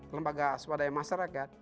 lembaga swadaya masyarakat